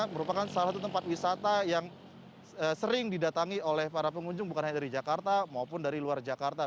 merupakan salah satu tempat wisata yang sering didatangi oleh para pengunjung bukan hanya dari jakarta maupun dari luar jakarta